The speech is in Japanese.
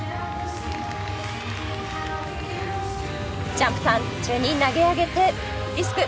ジャンプターン中に投げ上げてリスク。